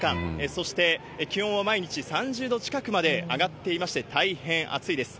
そして、気温は毎日３０度近くまで上がっていまして、大変暑いです。